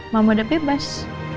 mama udah bebas